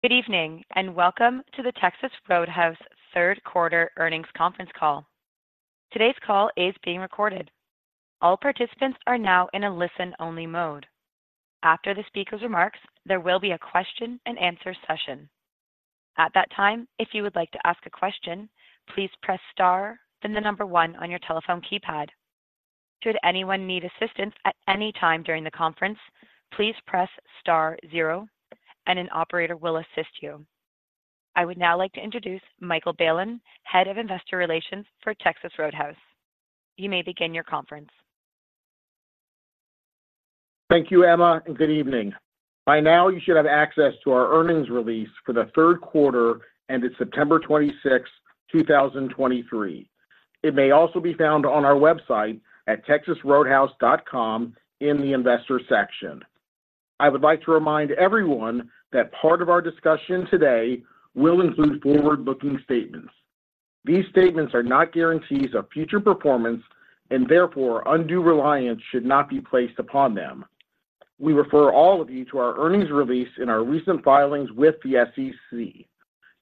Good evening, and welcome to the Texas Roadhouse Q3 earnings conference call. Today's call is being recorded. All participants are now in a listen-only mode. After the speaker's remarks, there will be a question-and-answer session. At that time, if you would like to ask a question, please press Star, then the number one on your telephone keypad. Should anyone need assistance at any time during the conference, please press Star zero, and an operator will assist you. I would now like to introduce Michael Bailen, Head of Investor Relations for Texas Roadhouse. You may begin your conference. Thank you, Emma, and good evening. By now, you should have access to our earnings release for the Q3, ended September 26, 2023. It may also be found on our website at texasroadhouse.com in the investor section. I would like to remind everyone that part of our discussion today will include forward-looking statements. These statements are not guarantees of future performance, and therefore, undue reliance should not be placed upon them. We refer all of you to our earnings release in our recent filings with the SEC.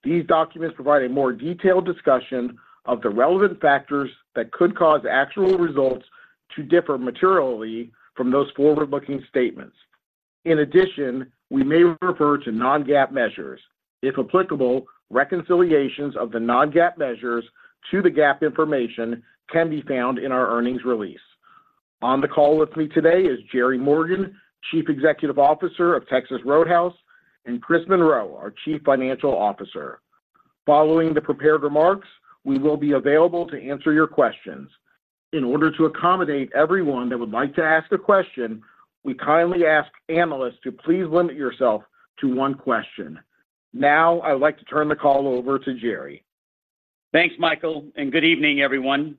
These documents provide a more detailed discussion of the relevant factors that could cause actual results to differ materially from those forward-looking statements. In addition, we may refer to non-GAAP measures. If applicable, reconciliations of the non-GAAP measures to the GAAP information can be found in our earnings release. On the call with me today is Jerry Morgan, Chief Executive Officer of Texas Roadhouse, and Chris Monroe, our Chief Financial Officer. Following the prepared remarks, we will be available to answer your questions. In order to accommodate everyone that would like to ask a question, we kindly ask analysts to please limit yourself to one question. Now, I would like to turn the call over to Jerry. Thanks, Michael, and good evening, everyone.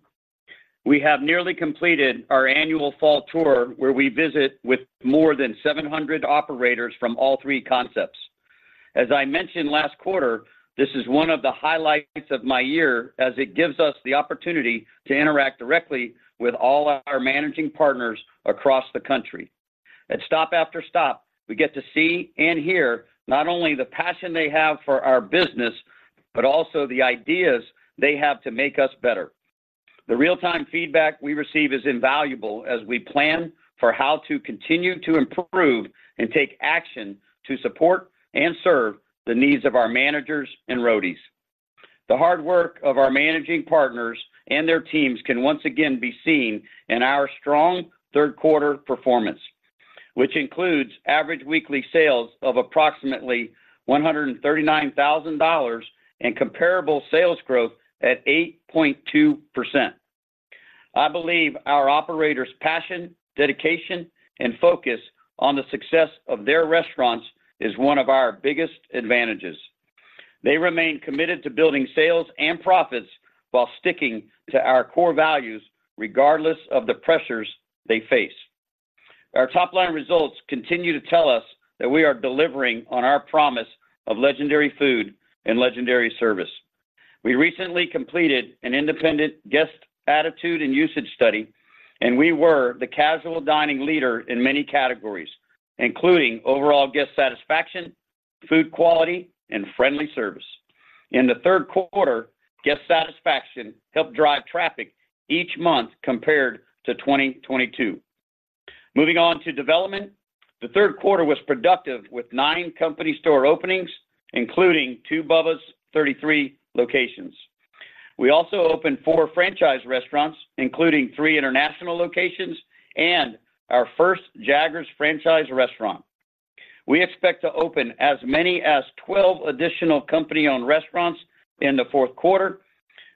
We have nearly completed our annual Fall Tour, where we visit with more than 700 operators from all three concepts. As I mentioned last quarter, this is one of the highlights of my year as it gives us the opportunity to interact directly with all our managing partners across the country. At stop after stop, we get to see and hear not only the passion they have for our business, but also the ideas they have to make us better. The real-time feedback we receive is invaluable as we plan for how to continue to improve and take action to support and serve the needs of our managers and Roadies. The hard work of our managing partners and their teams can once again be seen in our strong Q3 performance, which includes average weekly sales of approximately $139,000 and comparable sales growth at 8.2%. I believe our operators' passion, dedication, and focus on the success of their restaurants is one of our biggest advantages. They remain committed to building sales and profits while sticking to our core values, regardless of the pressures they face. Our top-line results continue to tell us that we are delivering on our promise of legendary food and legendary service. We recently completed an independent guest attitude and usage study, and we were the casual dining leader in many categories, including overall guest satisfaction, food quality, and friendly service. In the Q3, guest satisfaction helped drive traffic each month compared to 2022. Moving on to development, the Q3 was productive with nine company store openings, including two Bubba's 33 locations. We also opened four franchise restaurants, including three international locations and our first Jaggers franchise restaurant. We expect to open as many as 12 additional company-owned restaurants in the Q4,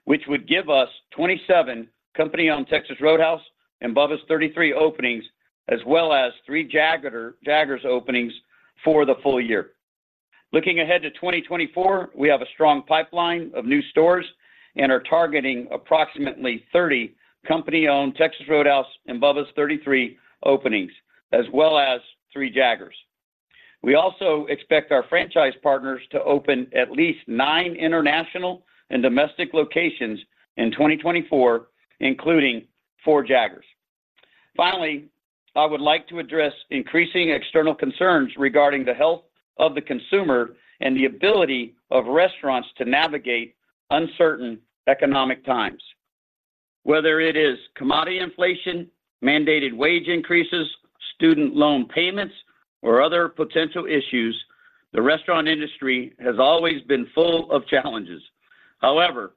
which would give us 27 company-owned Texas Roadhouse and Bubba's 33 openings, as well as three Jaggers openings for the full year. Looking ahead to 2024, we have a strong pipeline of new stores and are targeting approximately 30 company-owned Texas Roadhouse and Bubba's 33 openings, as well as three Jaggers. We also expect our franchise partners to open at least nine international and domestic locations in 2024, including four Jaggers. Finally, I would like to address increasing external concerns regarding the health of the consumer and the ability of restaurants to navigate uncertain economic times. Whether it is commodity inflation, mandated wage increases, student loan payments, or other potential issues, the restaurant industry has always been full of challenges. However,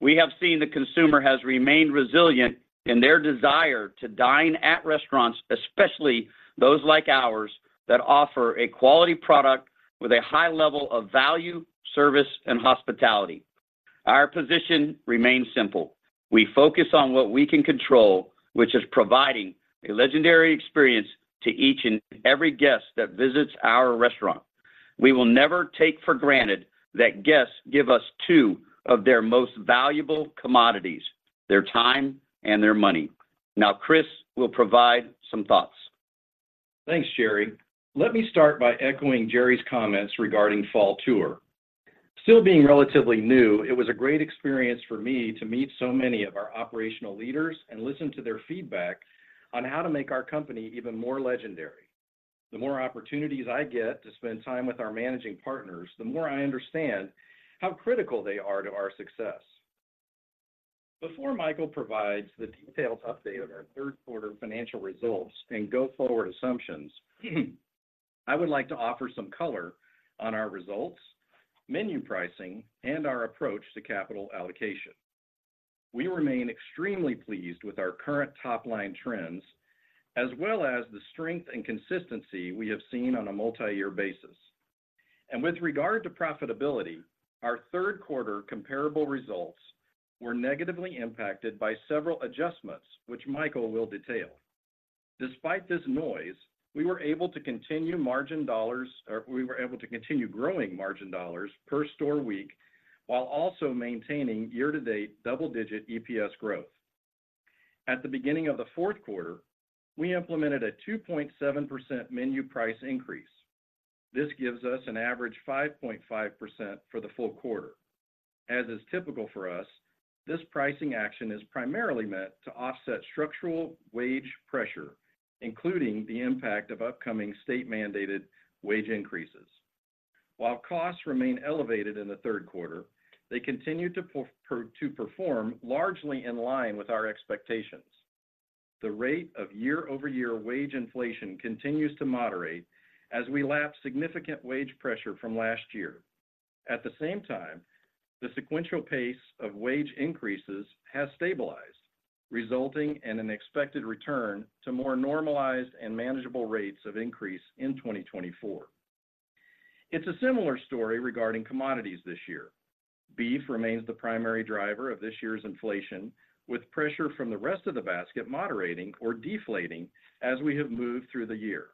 we have seen the consumer has remained resilient in their desire to dine at restaurants, especially those like ours, that offer a quality product with a high level of value, service, and hospitality. Our position remains simple: We focus on what we can control, which is providing a legendary experience to each and every guest that visits our restaurant. We will never take for granted that guests give us two of their most valuable commodities: their time and their money. Now, Chris will provide some thoughts. Thanks, Jerry. Let me start by echoing Jerry's comments regarding Fall Tour.... Still being relatively new, it was a great experience for me to meet so many of our operational leaders and listen to their feedback on how to make our company even more legendary. The more opportunities I get to spend time with our managing partners, the more I understand how critical they are to our success. Before Michael provides the detailed update on our Q3 financial results and go-forward assumptions, I would like to offer some color on our results, menu pricing, and our approach to capital allocation. We remain extremely pleased with our current top-line trends, as well as the strength and consistency we have seen on a multi-year basis. With regard to profitability, our Q3 comparable results were negatively impacted by several adjustments, which Michael will detail. Despite this noise, we were able to continue margin dollars-- or we were able to continue growing margin dollars per store week, while also maintaining year-to-date double-digit EPS growth. At the beginning of the Q4, we implemented a 2.7% menu price increase. This gives us an average 5.5% for the full quarter. As is typical for us, this pricing action is primarily meant to offset structural wage pressure, including the impact of upcoming state-mandated wage increases. While costs remained elevated in the Q3, they continued to perform largely in line with our expectations. The rate of year-over-year wage inflation continues to moderate as we lap significant wage pressure from last year. At the same time, the sequential pace of wage increases has stabilized, resulting in an expected return to more normalized and manageable rates of increase in 2024. It's a similar story regarding commodities this year. Beef remains the primary driver of this year's inflation, with pressure from the rest of the basket moderating or deflating as we have moved through the year.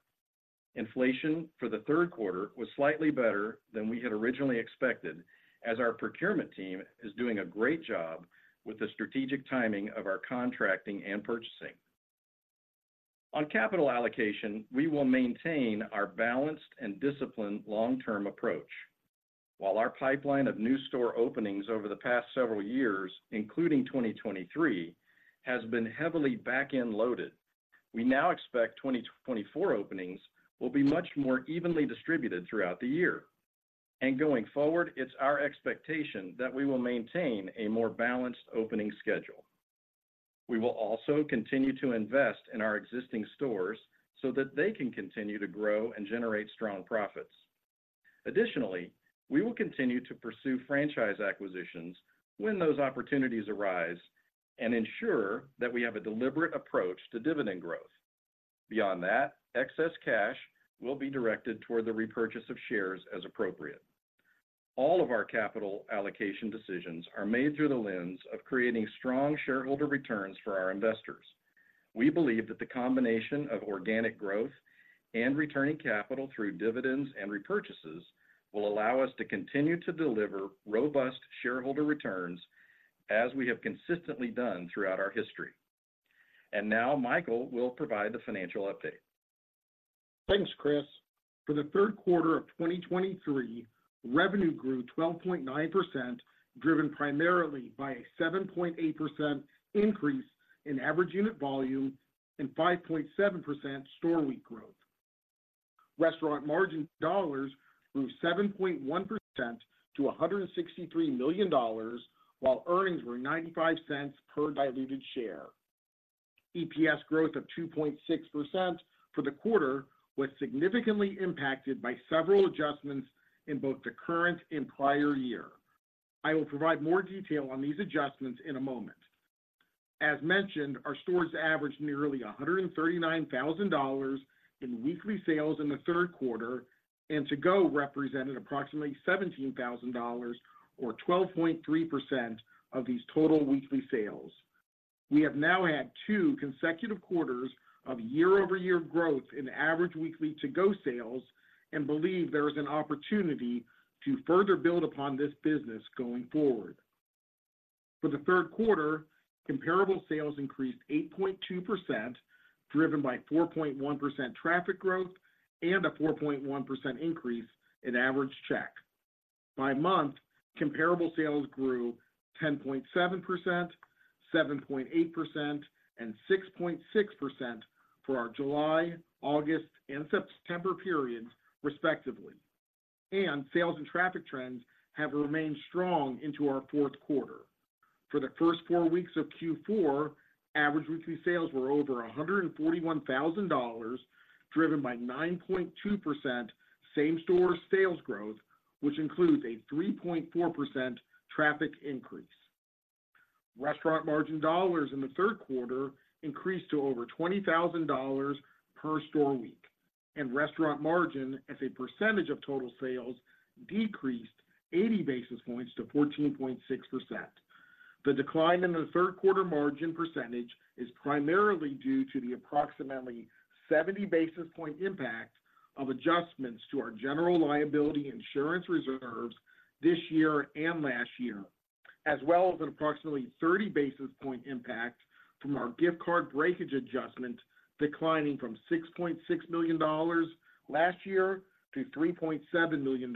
Inflation for the Q3 was slightly better than we had originally expected, as our procurement team is doing a great job with the strategic timing of our contracting and purchasing. On capital allocation, we will maintain our balanced and disciplined long-term approach. While our pipeline of new store openings over the past several years, including 2023, has been heavily back-end loaded, we now expect 2024 openings will be much more evenly distributed throughout the year. Going forward, it's our expectation that we will maintain a more balanced opening schedule. We will also continue to invest in our existing stores so that they can continue to grow and generate strong profits. Additionally, we will continue to pursue franchise acquisitions when those opportunities arise and ensure that we have a deliberate approach to dividend growth. Beyond that, excess cash will be directed toward the repurchase of shares as appropriate. All of our capital allocation decisions are made through the lens of creating strong shareholder returns for our investors. We believe that the combination of organic growth and returning capital through dividends and repurchases will allow us to continue to deliver robust shareholder returns as we have consistently done throughout our history. And now Michael will provide the financial update. Thanks, Chris. For the Q3 of 2023, revenue grew 12.9%, driven primarily by a 7.8% increase in average unit volume and 5.7% store week growth. Restaurant margin dollars grew 7.1% to $163 million, while earnings were $0.95 per diluted share. EPS growth of 2.6% for the quarter was significantly impacted by several adjustments in both the current and prior year. I will provide more detail on these adjustments in a moment. As mentioned, our stores averaged nearly $139,000 in weekly sales in the Q3, and to-go represented approximately $17,000 or 12.3% of these total weekly sales. We have now had 2 consecutive quarters of year-over-year growth in average weekly to-go sales and believe there is an opportunity to further build upon this business going forward. For the Q3, comparable sales increased 8.2%, driven by 4.1% traffic growth and a 4.1% increase in average check. By month, comparable sales grew 10.7%, 7.8%, and 6.6% for our July, August, and September periods, respectively, and sales and traffic trends have remained strong into our Q4. For the first 4 weeks of Q4, average weekly sales were over $141,000, driven by 9.2% same-store sales growth, which includes a 3.4% traffic increase. Restaurant margin dollars in the Q3 increased to over $20,000 per store week, and restaurant margin, as a percentage of total sales, decreased 80 basis points to 14.6%. The decline in the Q3 margin percentage is primarily due to the approximately 70 basis point impact of adjustments to our general liability insurance reserves this year and last year, as well as an approximately 30 basis point impact from our gift card breakage adjustment, declining from $6.6 million last year to $3.7 million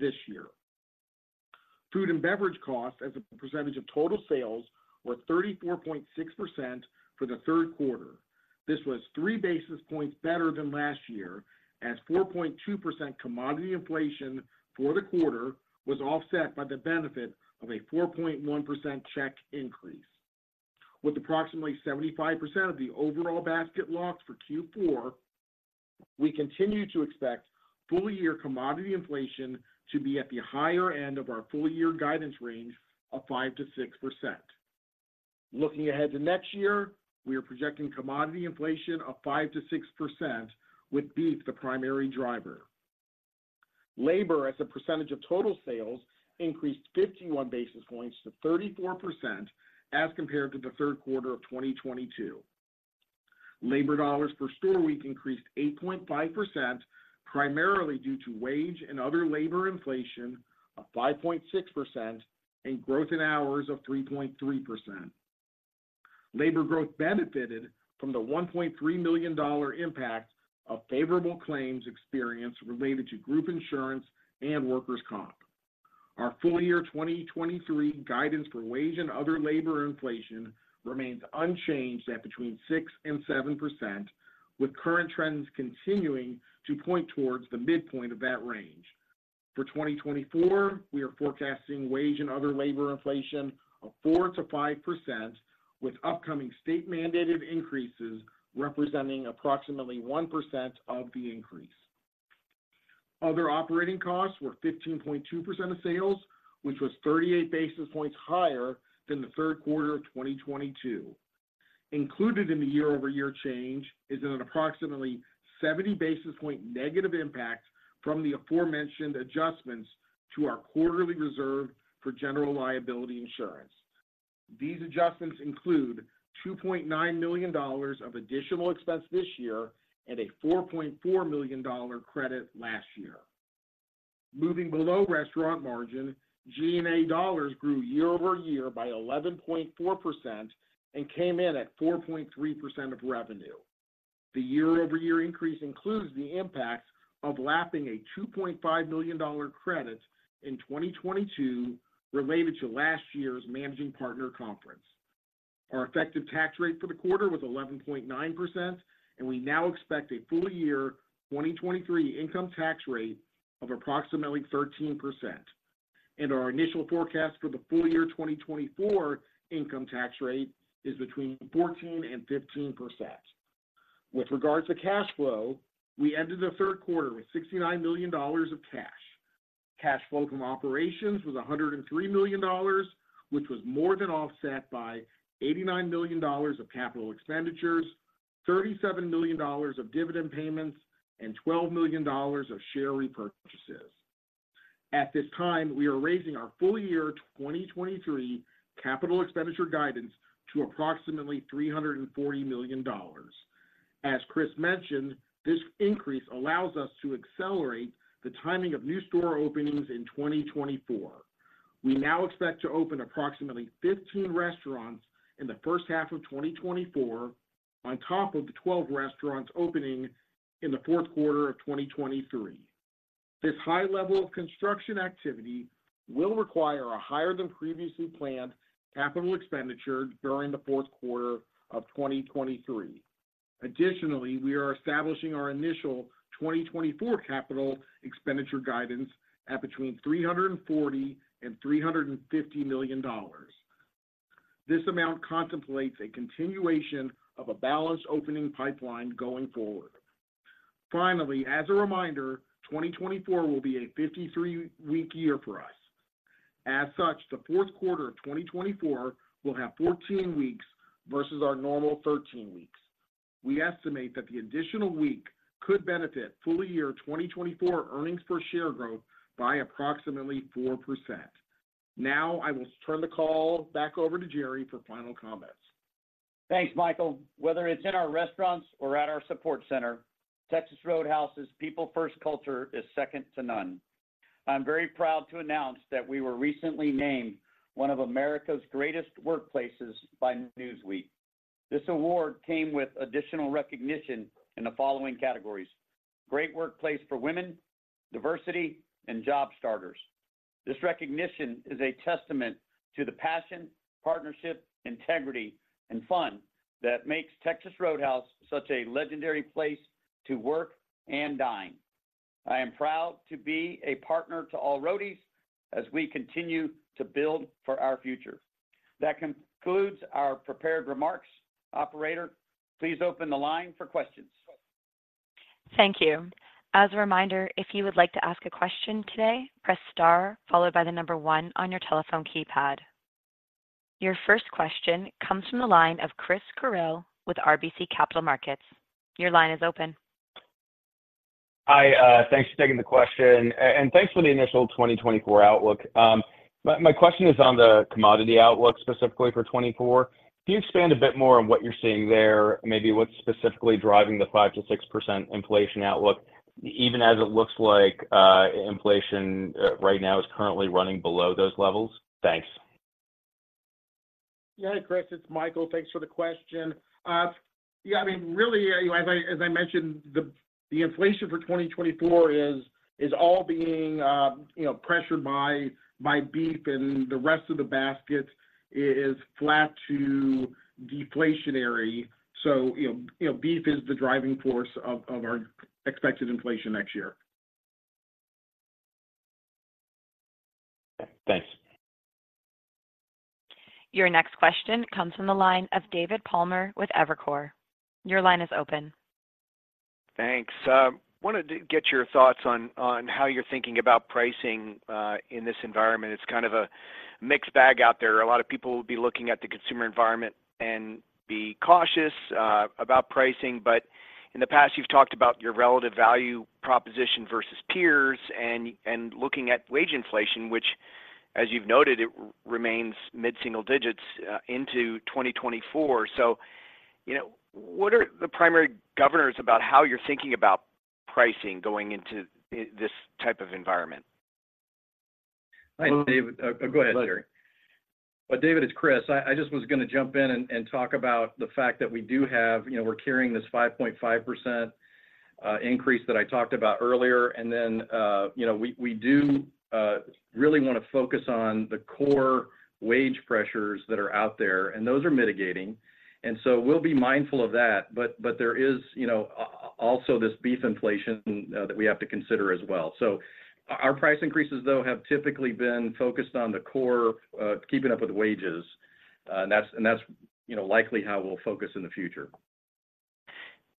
this year. Food and beverage costs as a percentage of total sales were 34.6% for the Q3. This was 3 basis points better than last year, as 4.2% commodity inflation for the quarter was offset by the benefit of a 4.1% check increase. With approximately 75% of the overall basket locked for Q4, we continue to expect full year commodity inflation to be at the higher end of our full year guidance range of 5%-6%. Looking ahead to next year, we are projecting commodity inflation of 5%-6%, with beef the primary driver. Labor, as a percentage of total sales, increased 51 basis points to 34% as compared to the Q3 of 2022. Labor dollars per store week increased 8.5%, primarily due to wage and other labor inflation of 5.6% and growth in hours of 3.3%. Labor growth benefited from the $1.3 million impact of favorable claims experience related to group insurance and workers' comp. Our full year 2023 guidance for wage and other labor inflation remains unchanged at between 6% and 7%, with current trends continuing to point towards the midpoint of that range. For 2024, we are forecasting wage and other labor inflation of 4%-5%, with upcoming state mandated increases representing approximately 1% of the increase. Other operating costs were 15.2% of sales, which was 38 basis points higher than the Q3 of 2022. Included in the year-over-year change is an approximately 70 basis point negative impact from the aforementioned adjustments to our quarterly reserve for general liability insurance. These adjustments include $2.9 million of additional expense this year and a $4.4 million credit last year. Moving below restaurant margin, G&A dollars grew year over year by 11.4% and came in at 4.3% of revenue. The year-over-year increase includes the impact of lapping a $2.5 million credit in 2022 related to last year's Managing Partner Conference. Our effective tax rate for the quarter was 11.9%, and we now expect a full year 2023 income tax rate of approximately 13%. Our initial forecast for the full year 2024 income tax rate is between 14%-15%. With regards to cash flow, we ended the Q3 with $69 million of cash. Cash flow from operations was $103 million, which was more than offset by $89 million of capital expenditures, $37 million of dividend payments, and $12 million of share repurchases. At this time, we are raising our full year 2023 capital expenditure guidance to approximately $340 million. As Chris mentioned, this increase allows us to accelerate the timing of new store openings in 2024. We now expect to open approximately 15 restaurants in the first half of 2024, on top of the 12 restaurants opening in the Q4 of 2023. This high level of construction activity will require a higher than previously planned capital expenditure during the Q4 of 2023. Additionally, we are establishing our initial 2024 capital expenditure guidance at between $340 million and $350 million. This amount contemplates a continuation of a balanced opening pipeline going forward. Finally, as a reminder, 2024 will be a 53-week year for us. As such, the Q4 of 2024 will have 14 weeks versus our normal 13 weeks. We estimate that the additional week could benefit full year 2024 earnings per share growth by approximately 4%. Now, I will turn the call back over to Jerry for final comments. Thanks, Michael. Whether it's in our restaurants or at our support center, Texas Roadhouse's People First culture is second to none. I'm very proud to announce that we were recently named one of America's Greatest Workplaces by Newsweek. This award came with additional recognition in the following categories: Great Workplace for Women, Diversity, and Job Starters. This recognition is a testament to the passion, partnership, integrity, and fun that makes Texas Roadhouse such a legendary place to work and dine. I am proud to be a partner to all Roadies as we continue to build for our future. That concludes our prepared remarks. Operator, please open the line for questions. Thank you. As a reminder, if you would like to ask a question today, press star, followed by the number one on your telephone keypad. Your first question comes from the line of Christopher Carril with RBC Capital Markets. Your line is open. Hi, thanks for taking the question, and thanks for the initial 2024 outlook. My question is on the commodity outlook, specifically for 2024. Can you expand a bit more on what you're seeing there, maybe what's specifically driving the 5%-6% inflation outlook, even as it looks like inflation right now is currently running below those levels? Thanks. ... Yeah, Chris, it's Michael. Thanks for the question. Yeah, I mean, really, you know, as I mentioned, the inflation for 2024 is all being pressured by beef, and the rest of the basket is flat to deflationary. So, you know, you know, beef is the driving force of our expected inflation next year. Thanks. Your next question comes from the line of David Palmer with Evercore. Your line is open. Thanks. Wanted to get your thoughts on how you're thinking about pricing in this environment. It's kind of a mixed bag out there. A lot of people will be looking at the consumer environment and be cautious about pricing. But in the past, you've talked about your relative value proposition versus peers and looking at wage inflation, which, as you've noted, remains mid-single digits into 2024. So, you know, what are the primary governors about how you're thinking about pricing going into this type of environment? Hi, David. Go ahead, Jerry. David, it's Chris. I just was going to jump in and talk about the fact that we do have... You know, we're carrying this 5.5% increase that I talked about earlier. You know, we do really want to focus on the core wage pressures that are out there, and those are mitigating. We'll be mindful of that. There is also this beef inflation that we have to consider as well. Our price increases, though, have typically been focused on the core, keeping up with wages. That's, you know, likely how we'll focus in the future.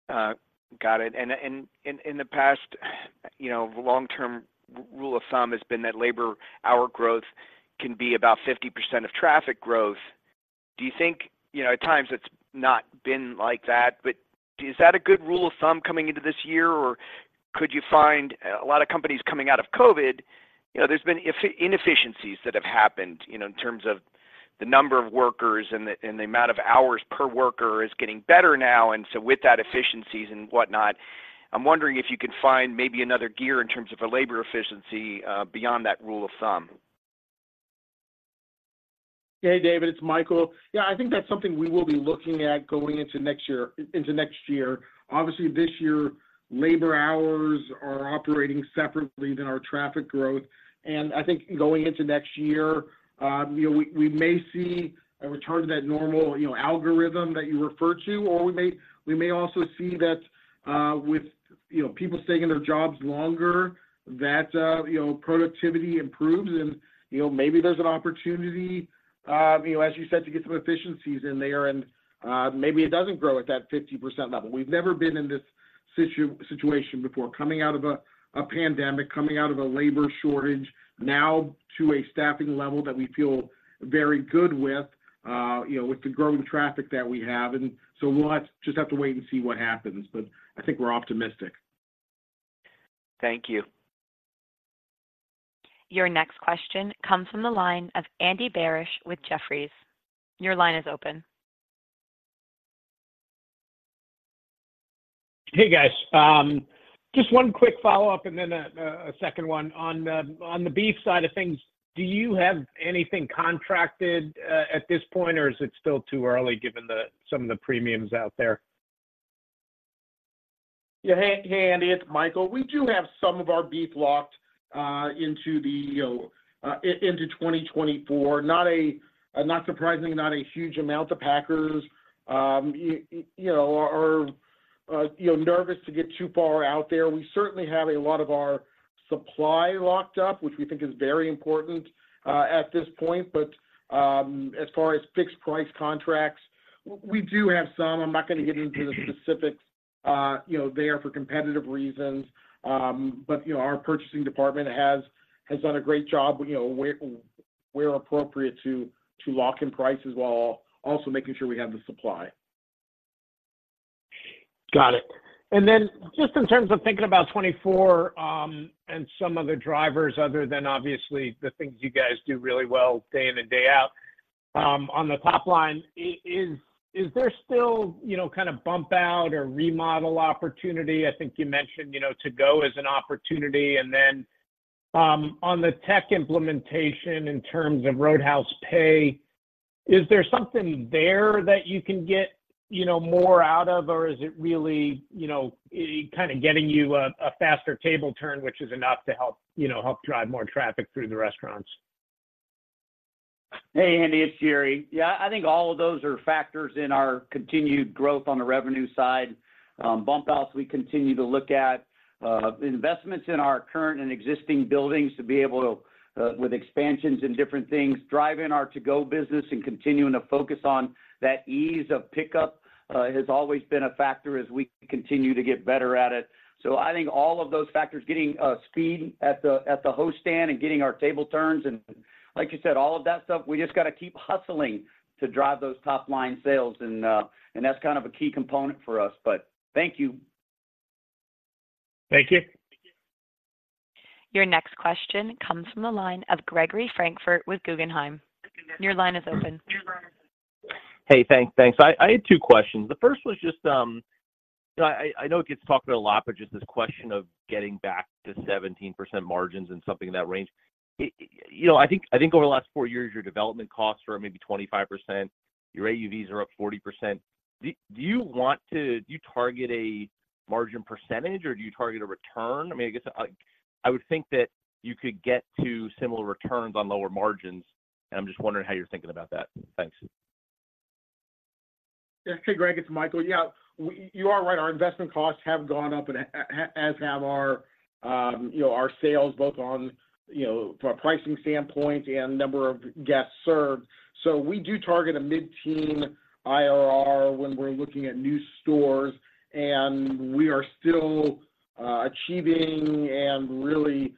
Got it. And in the past, you know, long-term rule of thumb has been that labor hour growth can be about 50% of traffic growth. Do you think—you know, at times it's not been like that, but is that a good rule of thumb coming into this year? Or could you find, a lot of companies coming out of COVID, you know, there's been inefficiencies that have happened, you know, in terms of the number of workers, and the, and the amount of hours per worker is getting better now. And so with that, efficiencies and whatnot, I'm wondering if you could find maybe another gear in terms of a labor efficiency, beyond that rule of thumb. Hey, David, it's Michael. Yeah, I think that's something we will be looking at going into next year, into next year. Obviously, this year, labor hours are operating separately than our traffic growth, and I think going into next year, you know, we may see a return to that normal, you know, algorithm that you referred to, or we may also see that, with, you know, people staying in their jobs longer, that, you know, productivity improves and, you know, maybe there's an opportunity, you know, as you said, to get some efficiencies in there. And, maybe it doesn't grow at that 50% level. We've never been in this situation before. Coming out of a pandemic, coming out of a labor shortage, now to a staffing level that we feel very good with, you know, with the growing traffic that we have. And so we'll just have to wait and see what happens, but I think we're optimistic. Thank you. Your next question comes from the line of Andy Barish with Jefferies. Your line is open. Hey, guys. Just one quick follow-up and then a second one. On the beef side of things, do you have anything contracted at this point, or is it still too early given some of the premiums out there? Yeah. Hey, hey, Andy, it's Michael. We do have some of our beef locked into the, you know, into 2024. Not a, not surprisingly, not a huge amount. The packers, you know, are, you know, nervous to get too far out there. We certainly have a lot of our supply locked up, which we think is very important, at this point. But, as far as fixed price contracts, we do have some. I'm not going to get into the specifics, you know, there for competitive reasons. But, you know, our purchasing department has done a great job, you know, where appropriate to lock in prices while also making sure we have the supply. Got it. And then just in terms of thinking about 2024, and some other drivers, other than obviously the things you guys do really well day in and day out, on the top line, is there still, you know, kind of bump out or remodel opportunity? I think you mentioned, you know, to-go as an opportunity. And then, on the tech implementation, in terms of Roadhouse Pay, is there something there that you can get, you know, more out of, or is it really, you know, kind of getting you a faster table turn, which is enough to help, you know, help drive more traffic through the restaurants? Hey, Andy, it's Jerry. Yeah, I think all of those are factors in our continued growth on the revenue side. Bump outs, we continue to look at investments in our current and existing buildings to be able to, with expansions and different things, driving our to-go business and continuing to focus on that ease of pickup, has always been a factor as we continue to get better at it. So I think all of those factors, getting speed at the host stand and getting our table turns, and like you said, all of that stuff, we just got to keep hustling to drive those top-line sales. And that's kind of a key component for us. But thank you. Thank you. Your next question comes from the line of Gregory Francfort with Guggenheim. Your line is open. Hey, thanks. Thanks. I had two questions. The first was just, Yeah, I know it gets talked about a lot, but just this question of getting back to 17% margins and something in that range. You know, I think over the last four years, your development costs are maybe 25%, your AUVs are up 40%. Do you want to, do you target a margin percentage or do you target a return? I mean, I guess, like, I would think that you could get to similar returns on lower margins, and I'm just wondering how you're thinking about that. Thanks. Yeah. Hey, Greg, it's Michael. Yeah, you are right. Our investment costs have gone up and as have our, you know, our sales, both on, you know, from a pricing standpoint and number of guests served. So we do target a mid-teen IRR when we're looking at new stores, and we are still achieving and really,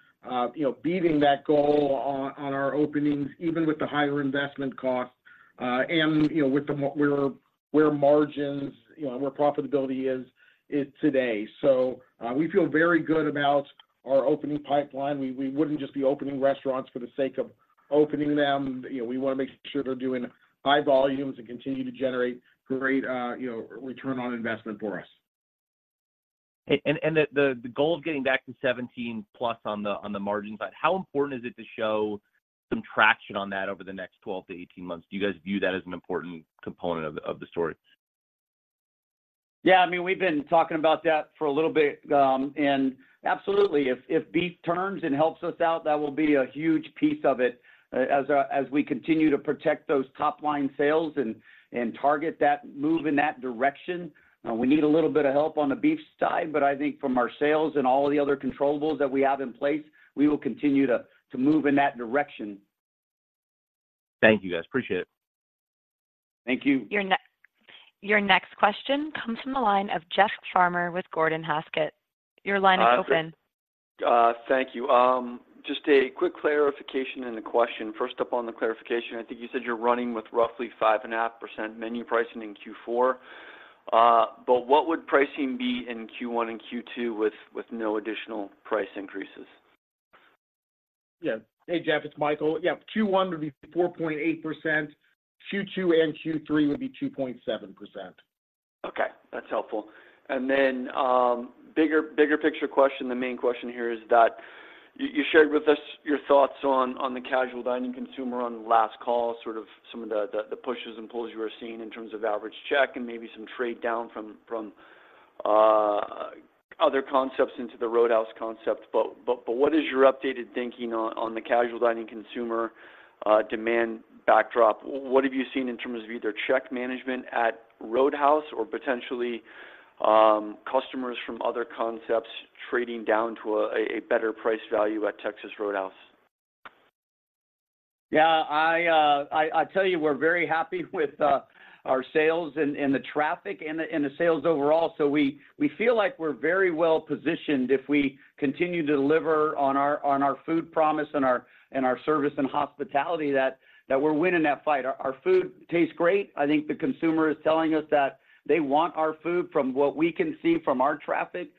you know, beating that goal on our openings, even with the higher investment costs, and, you know, with the margins, where margins, you know, and where profitability is today. So we feel very good about our opening pipeline. We wouldn't just be opening restaurants for the sake of opening them. You know, we wanna make sure they're doing high volumes and continue to generate great, you know, return on investment for us. The goal of getting back to 17+ on the margin side, how important is it to show some traction on that over the next 12-18 months? Do you guys view that as an important component of the story? Yeah, I mean, we've been talking about that for a little bit, and absolutely. If beef turns and helps us out, that will be a huge piece of it as we continue to protect those top-line sales and target that move in that direction. We need a little bit of help on the beef side, but I think from our sales and all the other controllables that we have in place, we will continue to move in that direction. Thank you, guys. Appreciate it. Thank you. Your next question comes from the line of Jeff Farmer with Gordon Haskett. Your line is open. Thank you. Just a quick clarification and a question. First up, on the clarification, I think you said you're running with roughly 5.5% menu pricing in Q4. But what would pricing be in Q1 and Q2 with no additional price increases? Yeah. Hey, Jeff, it's Michael. Yeah, Q1 would be 4.8%. Q2 and Q3 would be 2.7%. Okay, that's helpful. Bigger picture question, the main question here is that you shared with us your thoughts on the casual dining consumer on last call, sort of some of the pushes and pulls you are seeing in terms of average check and maybe some trade down from other concepts into the Roadhouse concept. What is your updated thinking on the casual dining consumer demand backdrop? What have you seen in terms of either check management at Roadhouse or potentially customers from other concepts trading down to a better price value at Texas Roadhouse? Yeah, I tell you, we're very happy with our sales and the traffic and the sales overall. So we feel like we're very well positioned if we continue to deliver on our food promise and our service and hospitality that we're winning that fight. Our food tastes great. I think the consumer is telling us that they want our food. From what we can see from our traffic,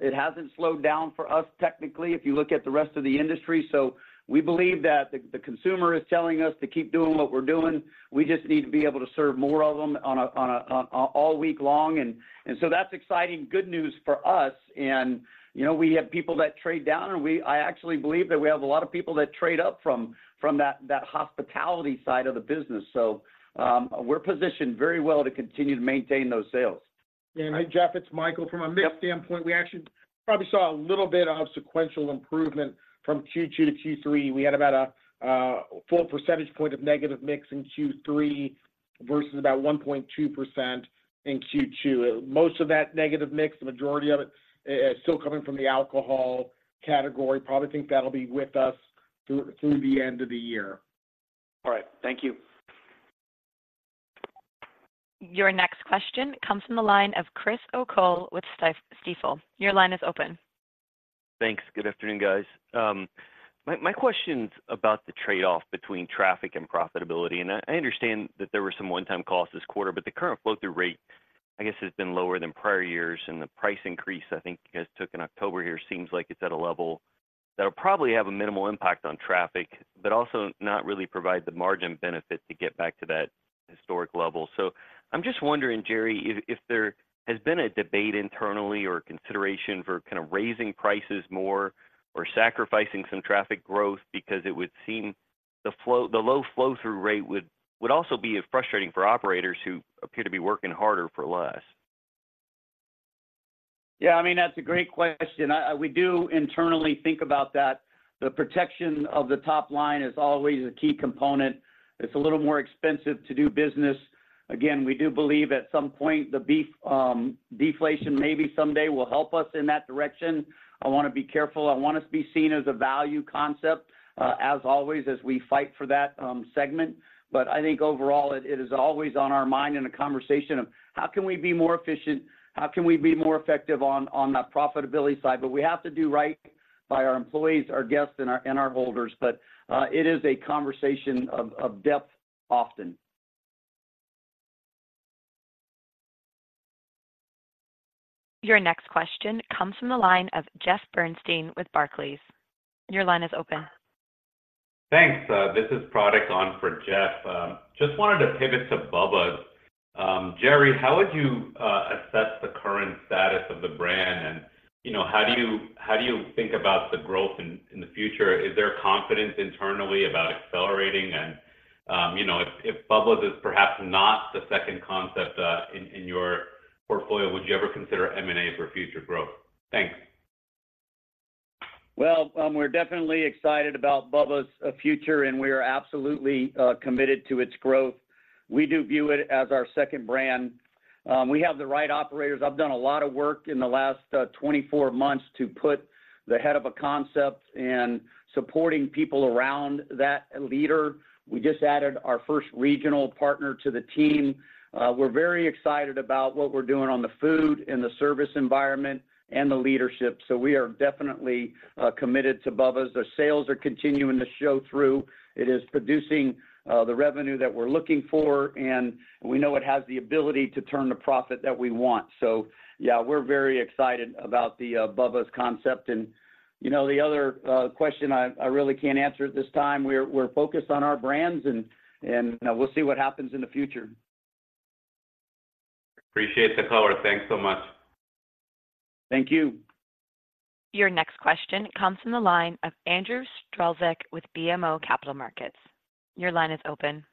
it hasn't slowed down for us technically, if you look at the rest of the industry. So we believe that the consumer is telling us to keep doing what we're doing. We just need to be able to serve more of them all week long. And so that's exciting, good news for us. You know, we have people that trade down, and we... I actually believe that we have a lot of people that trade up from that hospitality side of the business. So, we're positioned very well to continue to maintain those sales. Jeff, it's Michael. Yep. From a mix standpoint, we actually probably saw a little bit of sequential improvement from Q2 to Q3. We had about a four percentage point of negative mix in Q3 versus about 1.2% in Q2. Most of that negative mix, the majority of it, is still coming from the alcohol category. Probably think that'll be with us through the end of the year. All right. Thank you. Your next question comes from the line of Chris O'Cull with Stifel. Your line is open. Thanks. Good afternoon, guys. My question's about the trade-off between traffic and profitability, and I understand that there were some one-time costs this quarter, but the current flow-through rate, I guess, has been lower than prior years, and the price increase I think you guys took in October here seems like it's at a level that'll probably have a minimal impact on traffic, but also not really provide the margin benefit to get back to that historic level. So I'm just wondering, Jerry, if there has been a debate internally or consideration for kind of raising prices more or sacrificing some traffic growth because it would seem the low flow-through rate would also be frustrating for operators who appear to be working harder for less. Yeah, I mean, that's a great question. We do internally think about that. The protection of the top line is always a key component. It's a little more expensive to do business. Again, we do believe at some point, the beef deflation maybe someday will help us in that direction. I wanna be careful. I want us to be seen as a value concept, as always, as we fight for that segment. But I think overall, it is always on our mind in a conversation of how can we be more efficient? How can we be more effective on that profitability side? But we have to do right by our employees, our guests, and our holders. But it is a conversation of depth often. Your next question comes from the line of Jeffrey Bernstein with Barclays. Your line is open.... Thanks. This is Pratik on for Jeff. Just wanted to pivot to Bubba's. Jerry, how would you assess the current status of the brand? And, you know, how do you think about the growth in the future? Is there confidence internally about accelerating? And, you know, if Bubba's is perhaps not the second concept in your portfolio, would you ever consider M&A for future growth? Thanks. Well, we're definitely excited about Bubba's future, and we are absolutely committed to its growth. We do view it as our second brand. We have the right operators. I've done a lot of work in the last 24 months to put the head of a concept and supporting people around that leader. We just added our first regional partner to the team. We're very excited about what we're doing on the food and the service environment and the leadership. So we are definitely committed to Bubba's. The sales are continuing to show through. It is producing the revenue that we're looking for, and we know it has the ability to turn the profit that we want. So yeah, we're very excited about the Bubba's concept. And, you know, the other question, I really can't answer at this time. We're focused on our brands, and we'll see what happens in the future. Appreciate the color. Thanks so much. Thank you. Your next question comes from the line of Andrew Strelzik with BMO Capital Markets. Your line is open.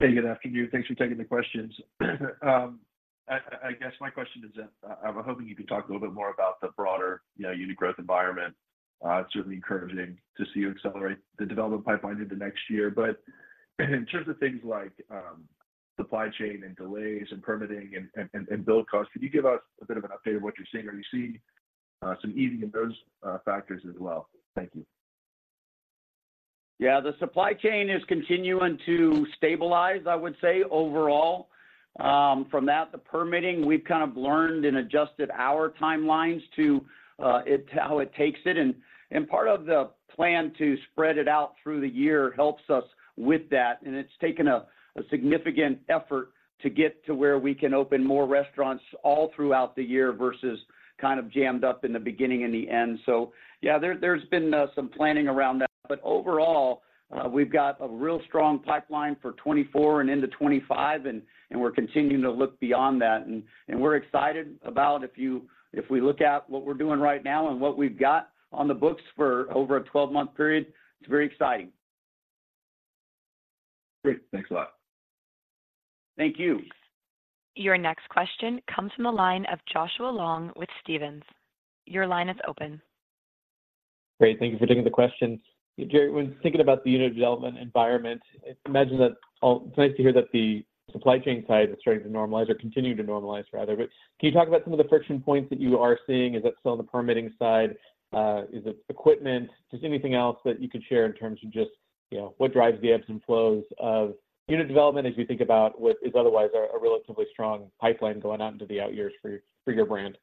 Hey, good afternoon. Thanks for taking the questions. I guess my question is that, I'm hoping you can talk a little bit more about the broader, you know, unit growth environment. It's certainly encouraging to see you accelerate the development pipeline into next year. But in terms of things like, supply chain and delays and permitting and build costs, could you give us a bit of an update of what you're seeing? Or are you seeing, some easing in those, factors as well? Thank you. Yeah, the supply chain is continuing to stabilize, I would say, overall. From that, the permitting, we've kind of learned and adjusted our timelines to how it takes it. And part of the plan to spread it out through the year helps us with that, and it's taken a significant effort to get to where we can open more restaurants all throughout the year versus kind of jammed up in the beginning and the end. So yeah, there's been some planning around that. But overall, we've got a real strong pipeline for 2024 and into 2025, and we're continuing to look beyond that. And we're excited about if we look at what we're doing right now and what we've got on the books for over a 12-month period, it's very exciting. Great. Thanks a lot. Thank you. Your next question comes from the line of Joshua Long with Stephens. Your line is open. Great, thank you for taking the questions. Jerry, when thinking about the unit development environment, I imagine that all... It's nice to hear that the supply chain side is starting to normalize or continue to normalize, rather. But can you talk about some of the friction points that you are seeing? Is that still on the permitting side? Is it equipment? Just anything else that you could share in terms of just, you know, what drives the ebbs and flows of unit development as you think about what is otherwise a, a relatively strong pipeline going out into the out years for your, for your brand?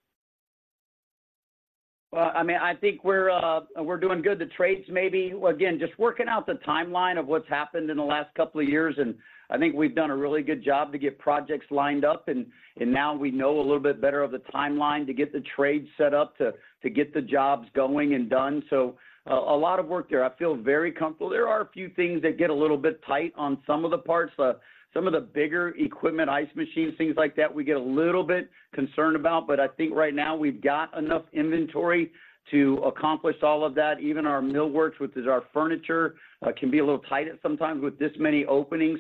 Well, I mean, I think we're, I think we're doing good. The trades maybe. Again, just working out the timeline of what's happened in the last couple of years, and I think we've done a really good job to get projects lined up. I think now we know a little bit better of the timeline to get the trades set up to get the jobs going and done. A lot of work there. I feel very comfortable. There are a few things that get a little bit tight on some of the parts. Some of the bigger equipment, ice machines, things like that, we get a little bit concerned about. I think right now, we've got enough inventory to accomplish all of that. Even our millwork, which is our furniture, can be a little tight at times with this many openings.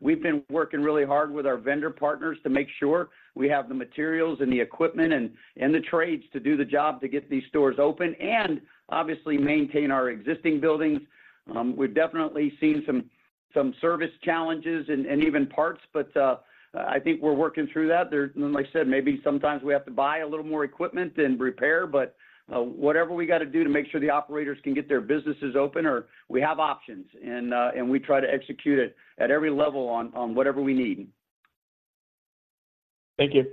We've been working really hard with our vendor partners to make sure we have the materials and the equipment and the trades to do the job to get these stores open and obviously maintain our existing buildings. We've definitely seen some service challenges and even parts, but I think we're working through that. Like I said, maybe sometimes we have to buy a little more equipment than repair, but whatever we gotta do to make sure the operators can get their businesses open, or we have options, and we try to execute it at every level on whatever we need. Thank you.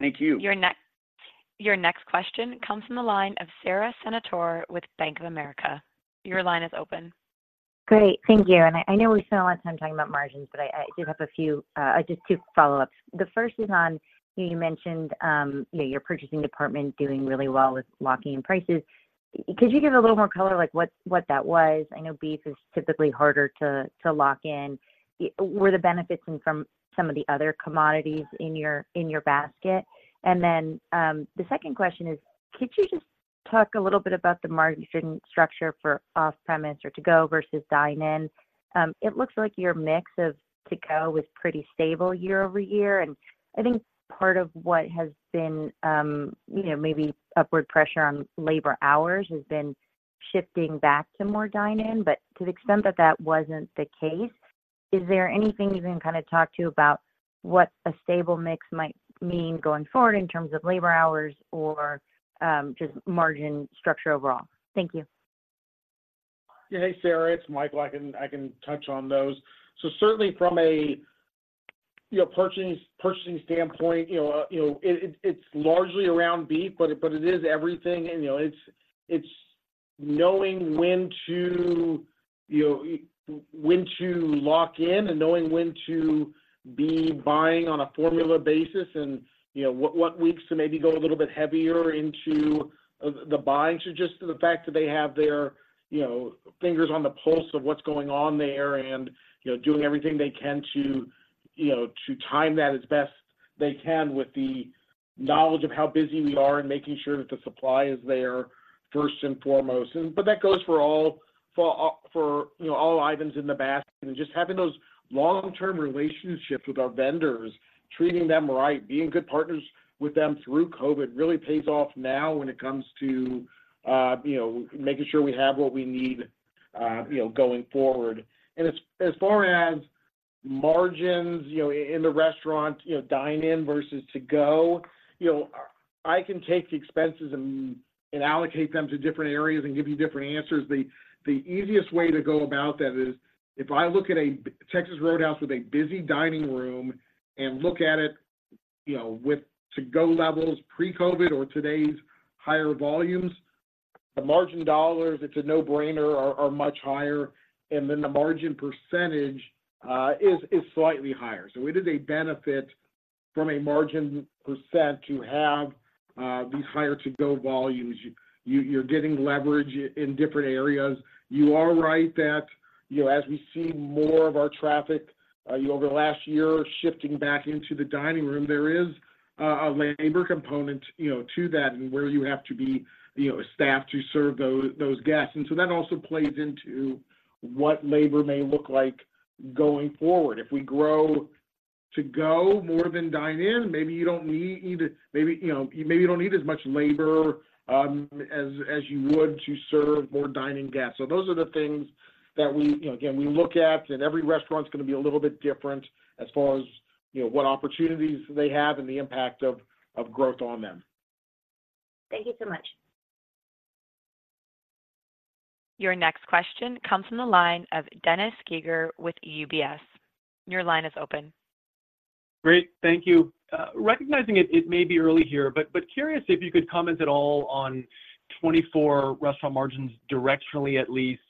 Thank you. Your next question comes from the line of Sara Senatore with Bank of America. Your line is open. Great. Thank you. And I know we spent a lot of time talking about margins, but I do have a few, just two follow-ups. The first is on, you know, you mentioned, you know, your purchasing department doing really well with locking in prices. Could you give a little more color, like what that was? I know beef is typically harder to lock in. Were the benefits in from some of the other commodities in your basket? And then, the second question is: Could you just talk a little bit about the margin structure for off-premise or to-go versus dine-in? It looks like your mix of to-go was pretty stable year-over-year, and I think part of what has been, you know, maybe upward pressure on labor hours has been shifting back to more dine-in. To the extent that that wasn't the case, is there anything you can kinda talk to about what a stable mix might mean going forward in terms of labor hours or just margin structure overall? Thank you. Yeah. Hey, Sara, it's Michael. I can touch on those. So certainly from a, you know, purchasing standpoint, you know, it, it's largely around beef, but it is everything. And, you know, it's knowing when to, you know, when to lock in and knowing when to be buying on a formula basis, and, you know, what weeks to maybe go a little bit heavier into the buying. So just the fact that they have their, you know, fingers on the pulse of what's going on there, and, you know, doing everything they can to, you know, to time that as best they can with the knowledge of how busy we are and making sure that the supply is there first and foremost. But that goes for all, for, you know, all items in the basket. Just having those long-term relationships with our vendors, treating them right, being good partners with them through COVID, really pays off now when it comes to, you know, making sure we have what we need, you know, going forward. As far as margins, you know, in the restaurant, you know, dine-in versus to-go, you know, I can take the expenses and allocate them to different areas and give you different answers. The easiest way to go about that is if I look at a Texas Roadhouse with a busy dining room and look at it, you know, with to-go levels pre-COVID or today's higher volumes, the margin dollars, it's a no-brainer, are much higher, and then the margin percentage is slightly higher. So it is a benefit from a margin percent to have these higher to-go volumes. You, you're getting leverage in different areas. You are right that, you know, as we see more of our traffic, you know, over the last year, shifting back into the dining room, there is a labor component, you know, to that, and where you have to be, you know, staffed to serve those guests. And so that also plays into what labor may look like going forward. If we grow to-go more than dine-in, maybe you don't need either—maybe, you know, you maybe you don't need as much labor, as you would to serve more dine-in guests. So those are the things that we, you know, again, we look at, and every restaurant's gonna be a little bit different as far as, you know, what opportunities they have and the impact of growth on them. Thank you so much. Your next question comes from the line of Dennis Geiger with UBS. Your line is open. Great, thank you. Recognizing it may be early here, but curious if you could comment at all on 2024 restaurant margins, directionally, at least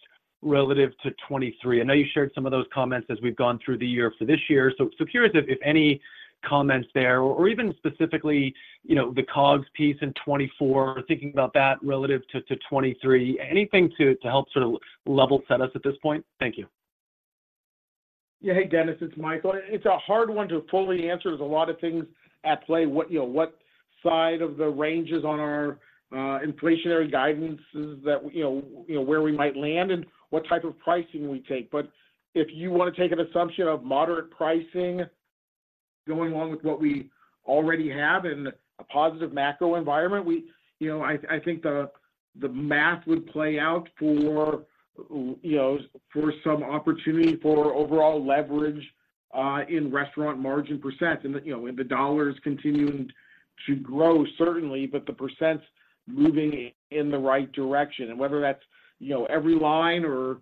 relative to 2023. I know you shared some of those comments as we've gone through the year for this year. Curious if any comments there or even specifically, you know, the COGS piece in 2024, thinking about that relative to 2023. Anything to help sort of level set us at this point? Thank you. Yeah. Hey, Dennis, it's Michael. It's a hard one to fully answer. There's a lot of things at play. What, you know, what side of the range is on our inflationary guidance is that, you know, you know, where we might land and what type of pricing we take. If you want to take an assumption of moderate pricing going along with what we already have in a positive macro environment, we, you know, I think the math would play out for, you know, for some opportunity for overall leverage in restaurant margin percent. You know, the dollar is continuing to grow, certainly, but the percent's moving in the right direction. Whether that's, you know, every line or,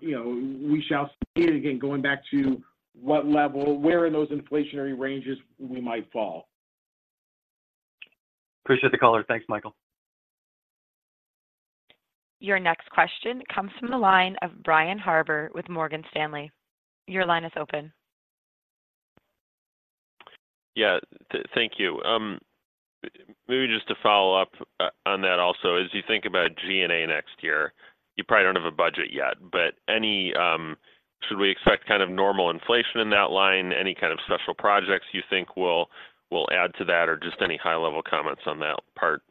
you know, we shall see it again, going back to what level, where in those inflationary ranges we might fall. Appreciate the color. Thanks, Michael. Your next question comes from the line of Brian Harbour with Morgan Stanley. Your line is open. Yeah. Thank you. Maybe just to follow up on that also, as you think about G&A next year, you probably don't have a budget yet, but any... Should we expect kind of normal inflation in that line? Any kind of special projects you think will add to that, or just any high-level comments on that part?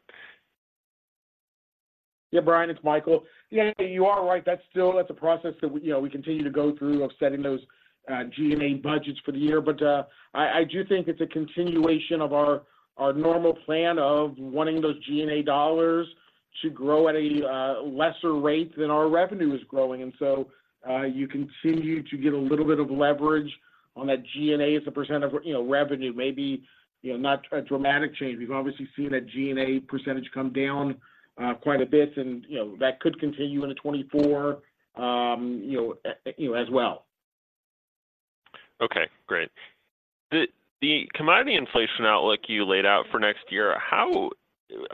Yeah, Brian, it's Michael. Yeah, you are right. That's still, that's a process that we, you know, we continue to go through of setting those, G&A budgets for the year. But, I, I do think it's a continuation of our, our normal plan of wanting those G&A dollars to grow at a, lesser rate than our revenue is growing. And so, you continue to get a little bit of leverage on that G&A as a percent of, you know, revenue, maybe, you know, not a dramatic change. We've obviously seen that G&A percentage come down, quite a bit and, you know, that could continue into 2024, you know, as well. Okay, great. The commodity inflation outlook you laid out for next year, how...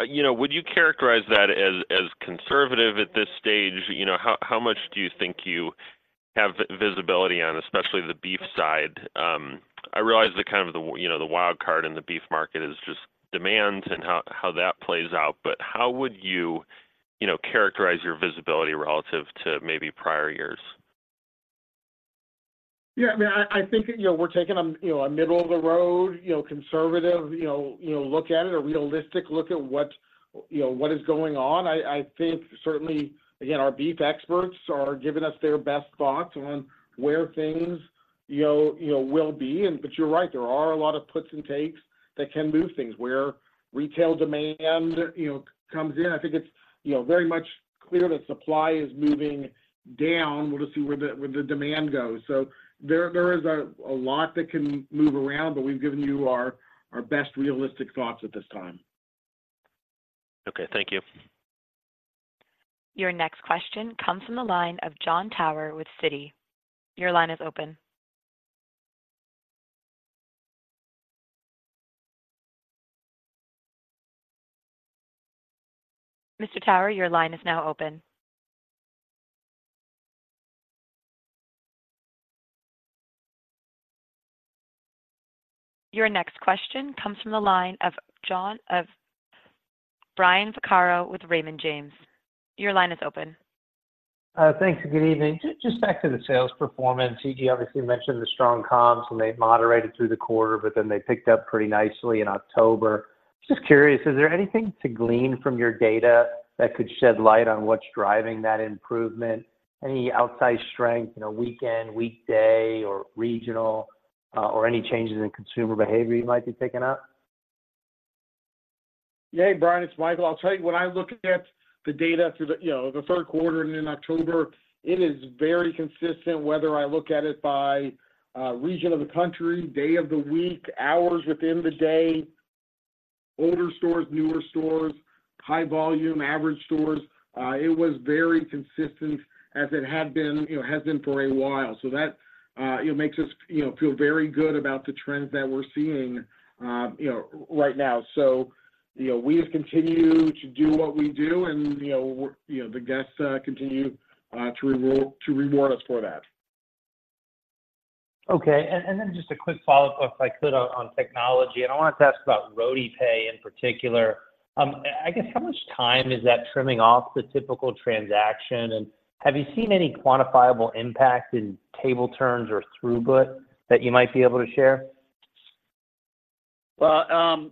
You know, would you characterize that as conservative at this stage? You know, how much do you think you have visibility on, especially the beef side? I realize the kind of, you know, the wild card in the beef market is just demand and how that plays out, but how would you, you know, characterize your visibility relative to maybe prior years? Yeah, I mean, I think, you know, we're taking a, you know, a middle-of-the-road, you know, conservative, you know, look at it, a realistic look at what, you know, what is going on. I think certainly, again, our beef experts are giving us their best thoughts on where things, you know, you know, will be. But you're right, there are a lot of puts and takes that can move things, where retail demand, you know, comes in. I think it's, you know, very much clear that supply is moving down. We'll just see where the demand goes. So there is a lot that can move around, but we've given you our best realistic thoughts at this time. Okay, thank you. Your next question comes from the line of Jon Tower with Citi. Your line is open. Mr. Tower, your line is now open. Your next question comes from the line of Brian Vaccaro with Raymond James. Your line is open. Thanks, and good evening. Just back to the sales performance. You obviously mentioned the strong comps, and they moderated through the quarter, but then they picked up pretty nicely in October. Just curious, is there anything to glean from your data that could shed light on what's driving that improvement? Any outsized strength in a weekend, weekday, or regional, or any changes in consumer behavior you might be picking up? Yeah, Brian, it's Michael. I'll tell you, when I look at the data through the, you know, the Q3 and in October, it is very consistent, whether I look at it by region of the country, day of the week, hours within the day, older stores, newer stores, high volume, average stores. It was very consistent as it had been, you know, has been for a while. So that, you know, makes us, you know, feel very good about the trends that we're seeing, you know, right now. So, you know, we just continue to do what we do, and, you know, we're, you know, the guests continue to reward us for that. Okay. And then just a quick follow-up, if I could, on technology, and I wanted to ask about Roadhouse Pay in particular. I guess, how much time is that trimming off the typical transaction? And have you seen any quantifiable impact in table turns or throughput that you might be able to share? Well,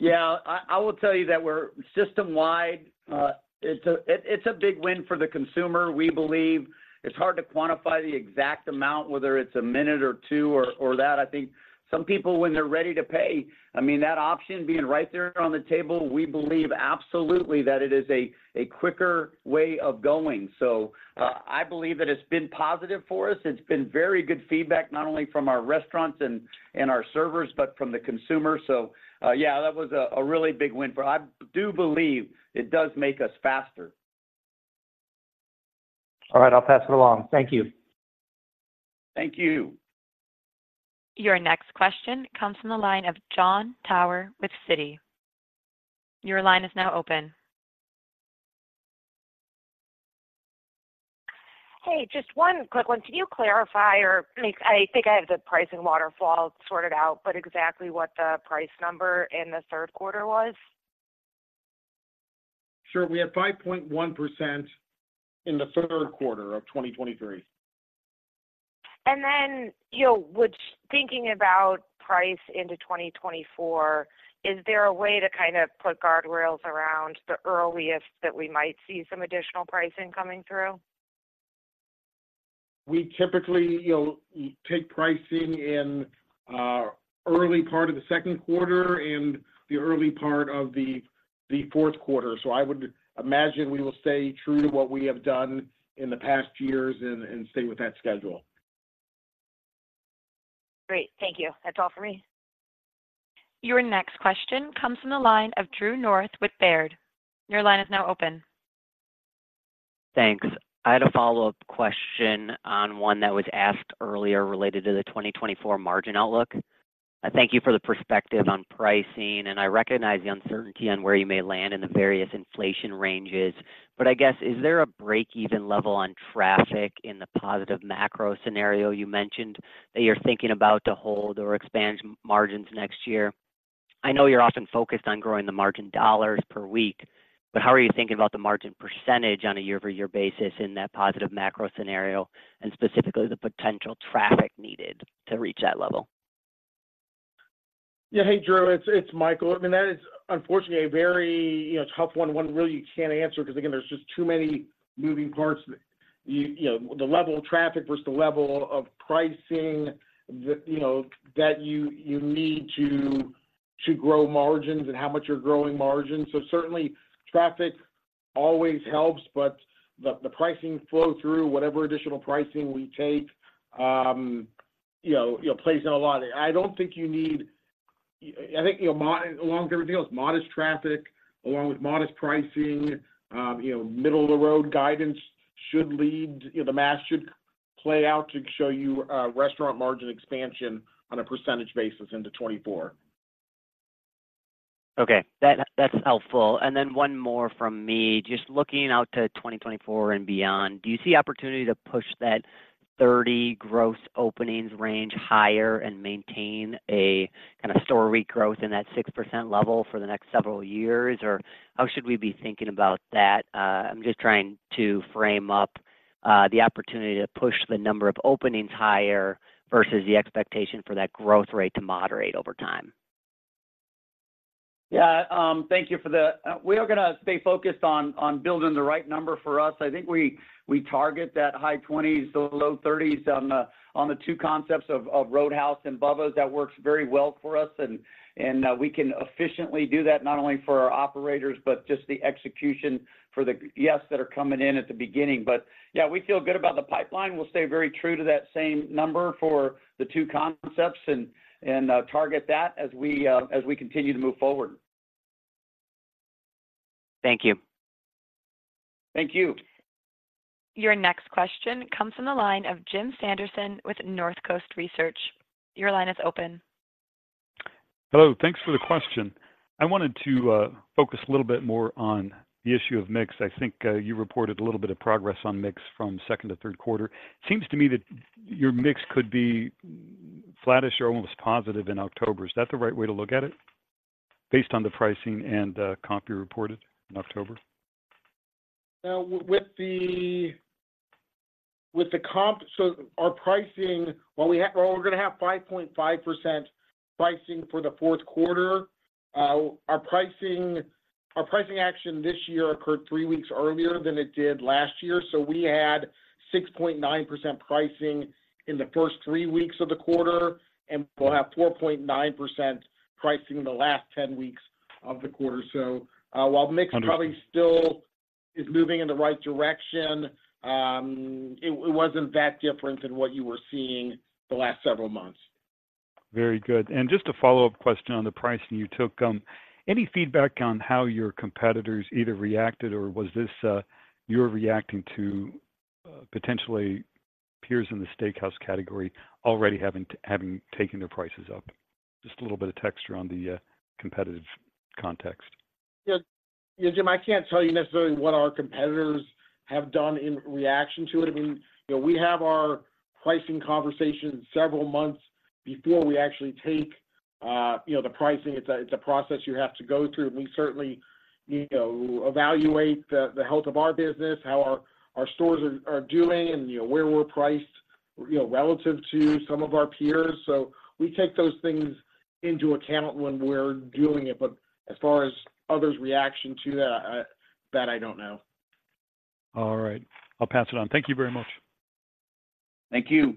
yeah, I will tell you that we're system-wide. It's a big win for the consumer, we believe. It's hard to quantify the exact amount, whether it's a minute or two or that. I think some people, when they're ready to pay, I mean, that option being right there on the table, we believe absolutely that it is a quicker way of going. So, I believe that it's been positive for us. It's been very good feedback, not only from our restaurants and our servers, but from the consumer. So, yeah, that was a really big win for us. I do believe it does make us faster. All right, I'll pass it along. Thank you. Thank you. Your next question comes from the line of Jon Tower with Citi. Your line is now open. Hey, just one quick one. Can you clarify or make—I think I have the pricing waterfall sorted out, but exactly what the price number in the Q3 was? Sure. We had 5.1% in the Q3 of 2023. And then, you know, with thinking about price into 2024, is there a way to kind of put guardrails around the earliest that we might see some additional pricing coming through? We typically, you know, take pricing in early part of the Q2 and the early part of the Q4. So I would imagine we will stay true to what we have done in the past years and stay with that schedule. Great. Thank you. That's all for me. Your next question comes from the line of Drew North with Baird. Your line is now open. Thanks. I had a follow-up question on one that was asked earlier related to the 2024 margin outlook. I thank you for the perspective on pricing, and I recognize the uncertainty on where you may land in the various inflation ranges. But I guess, is there a break-even level on traffic in the positive macro scenario you mentioned, that you're thinking about to hold or expand margins next year? I know you're often focused on growing the margin dollars per week, but how are you thinking about the margin percentage on a year-over-year basis in that positive macro scenario, and specifically, the potential traffic needed to reach that level? Yeah. Hey, Drew. It's, it's Michael. I mean, that is unfortunately a very, you know, tough one, one really you can't answer because, again, there's just too many moving parts. You know, the level of traffic versus the level of pricing that, you know, that you need to grow margins and how much you're growing margins. Certainly, traffic always helps, but the pricing flow through whatever additional pricing we take, you know, plays in a lot. I don't think you need... I think, you know, along with everything else, modest traffic, along with modest pricing, you know, middle-of-the-road guidance should lead, you know, the math should play out to show you, restaurant margin expansion on a percentage basis into 2024. Okay. That, that's helpful. And then one more from me. Just looking out to 2024 and beyond, do you see opportunity to push that 30 gross openings range higher and maintain a kind of store growth in that 6% level for the next several years, or how should we be thinking about that? I'm just trying to frame up the opportunity to push the number of openings higher versus the expectation for that growth rate to moderate over time. Yeah, thank you for that. We are gonna stay focused on building the right number for us. I think we target that high 20s to low 30s on the two concepts of Roadhouse and Bubba's 33. That works very well for us, and we can efficiently do that not only for our operators, but just the execution for the guests that are coming in at the beginning. Yeah, we feel good about the pipeline. We'll stay very true to that same number for the two concepts and target that as we continue to move forward. Thank you.... Thank you. Your next question comes from the line of Jim Sanderson with Northcoast Research. Your line is open. Hello. Thanks for the question. I wanted to focus a little bit more on the issue of mix. I think you reported a little bit of progress on mix from second to Q3. Seems to me that your mix could be flattish or almost positive in October. Is that the right way to look at it, based on the pricing and comp you reported in October? Well, with the comp, so our pricing, well, we have-- well, we're gonna have 5.5% pricing for the Q4. Well, our pricing, our pricing action this year occurred three weeks earlier than it did last year, so we had 6.9% pricing in the first three weeks of the quarter, and we'll have 4.9% pricing in the last ten weeks of the quarter. So, while mix- Under-... probably still is moving in the right direction, it wasn't that different than what you were seeing the last several months. Very good. Just a follow-up question on the pricing you took. Any feedback on how your competitors either reacted or was this you reacting to potentially peers in the steakhouse category already having taken their prices up? Just a little bit of texture on the competitive context. Yeah. Yeah, Jim, I can't tell you necessarily what our competitors have done in reaction to it. I mean, you know, we have our pricing conversations several months before we actually take, you know, the pricing. It's a process you have to go through, and we certainly, you know, evaluate the health of our business, how our stores are doing, and, you know, where we're priced, you know, relative to some of our peers. So we take those things into account when we're doing it. But as far as others' reaction to that, I don't know. All right. I'll pass it on. Thank you very much. Thank you.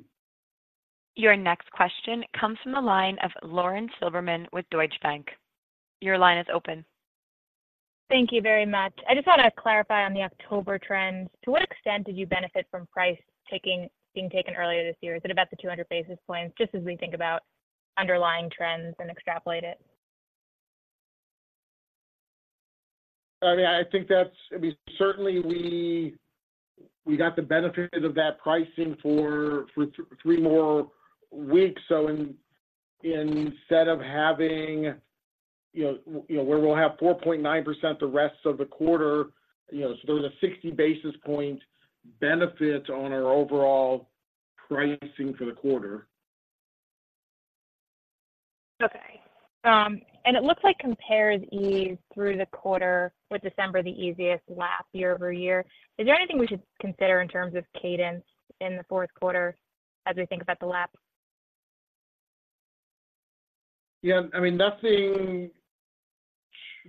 Your next question comes from the line of Lauren Silberman with Deutsche Bank. Your line is open. Thank you very much. I just wanted to clarify on the October trends. To what extent did you benefit from price taking, being taken earlier this year? Is it about the 200 basis points, just as we think about underlying trends and extrapolate it? I mean, I think that's... I mean, certainly we got the benefit of that pricing for three more weeks. In- instead of having, you know, you know, where we'll have 4.9% the rest of the quarter, you know, so there's a 60 basis point benefit on our overall pricing for the quarter. Okay. It looks like comps ease through the quarter, with December the easiest lap year-over-year. Is there anything we should consider in terms of cadence in the Q4 as we think about the lap? Yeah, I mean, nothing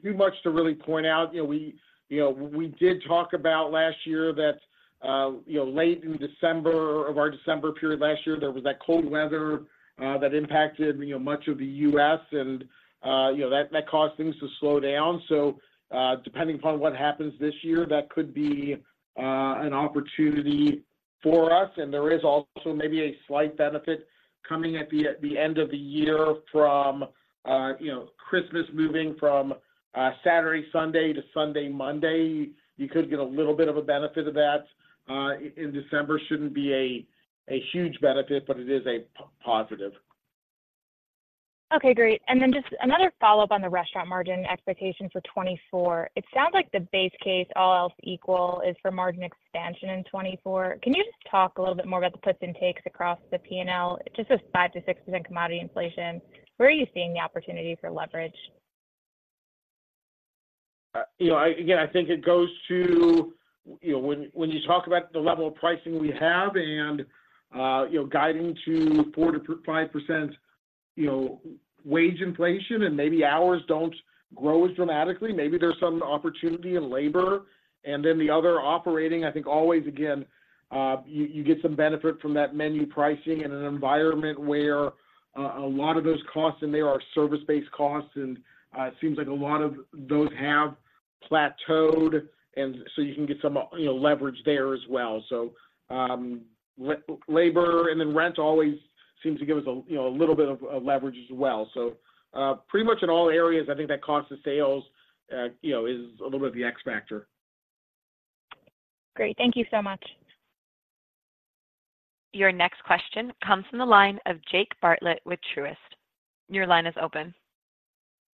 too much to really point out. You know, we, you know, we did talk about last year that, you know, late in December of our December period last year, there was that cold weather, that impacted, you know, much of the U.S., and, you know, that, that caused things to slow down. So, depending upon what happens this year, that could be, an opportunity for us. And there is also maybe a slight benefit coming at the, at the end of the year from, you know, Christmas moving from, Saturday, Sunday to Sunday, Monday. You could get a little bit of a benefit of that, in December. Shouldn't be a huge benefit, but it is a positive. Okay, great. And then just another follow-up on the restaurant margin expectation for 2024. It sounds like the base case, all else equal, is for margin expansion in 2024. Can you just talk a little bit more about the puts and takes across the P&L, just with 5%-6% commodity inflation? Where are you seeing the opportunity for leverage? You know, I, again, I think it goes to, you know, when you talk about the level of pricing we have and, you know, guiding to 4-5% wage inflation and maybe hours don't grow as dramatically, maybe there's some opportunity in labor. The other operating, I think always again, you get some benefit from that menu pricing in an environment where a lot of those costs in there are service-based costs, and it seems like a lot of those have plateaued, and so you can get some, you know, leverage there as well. Labor and then rent always seems to give us a, you know, a little bit of leverage as well. Pretty much in all areas, I think that cost of sales, you know, is a little bit of the X factor. Great. Thank you so much. Your next question comes from the line of Jake Bartlett with Truist. Your line is open.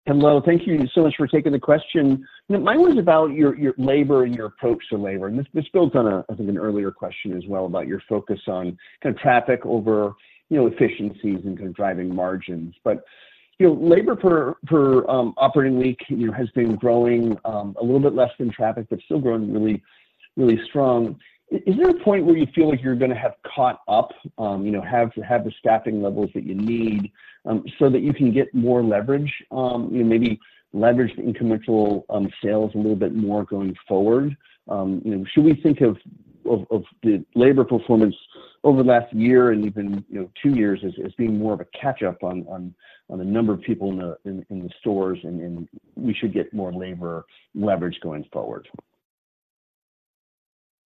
Hello. Thank you so much for taking the question. Mine was about your labor and your approach to labor, and this builds on, I think, an earlier question as well about your focus on kind of traffic over, you know, efficiencies and kind of driving margins. You know, labor per, per operating week has been growing, a little bit less than traffic, but still growing really, really strong. Is there a point where you feel like you're gonna have caught up, you know, have the staffing levels that you need, so that you can get more leverage, you know, maybe leverage the incremental sales a little bit more going forward? You know, should we think of the labor performance over the last year and even, you know, two years as being more of a catch up on the number of people in the stores and we should get more labor leverage going forward? ...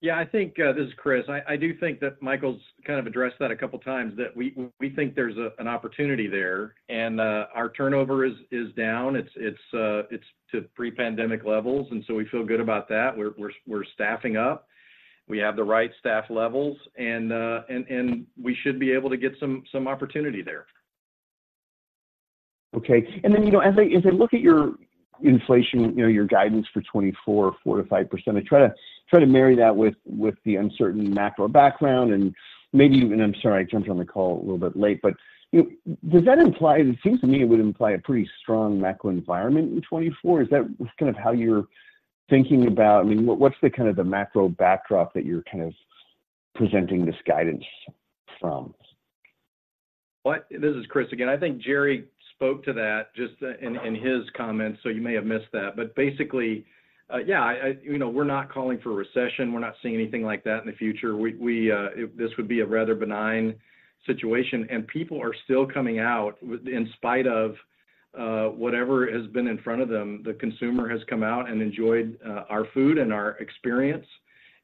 Yeah, I think this is Chris. I do think that Michael's kind of addressed that a couple times, that we think there's an opportunity there, and our turnover is down. It's to pre-pandemic levels, and so we feel good about that. We're staffing up. We have the right staff levels, and we should be able to get some opportunity there. Okay. And then, you know, as I look at your inflation, you know, your guidance for 2024, 4%-5%, I try to marry that with the uncertain macro background and maybe even. I'm sorry, I jumped on the call a little bit late, but, you know, does that imply. It seems to me it would imply a pretty strong macro environment in 2024. Is that kind of how you're thinking about? I mean, what's the kind of macro backdrop that you're kind of presenting this guidance from? Well, this is Chris again. I think Jerry spoke to that just in his comments, so you may have missed that. Basically, yeah, I... You know, we're not calling for a recession. We're not seeing anything like that in the future. We, we... This would be a rather benign situation, and people are still coming out with..., in spite of whatever has been in front of them. The consumer has come out and enjoyed our food and our experience,